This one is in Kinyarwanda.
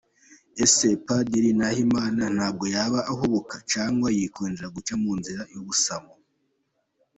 Ese Padiri Nahimana ntabwo yaba ahubuka cyangwa yikundira guca mu nzira y’ubusamo?